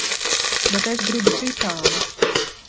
Bet es gribu citādi.